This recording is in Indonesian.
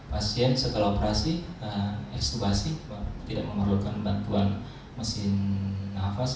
pasien setelah operasi ekstuasi tidak memerlukan bantuan mesin nafas